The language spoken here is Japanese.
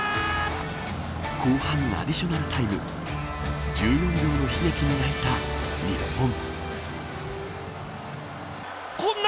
後半アディショナルタイム１４秒の悲劇に泣いた日本。